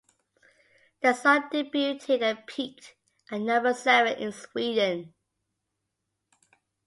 The song debuted and peaked at number seven in Sweden.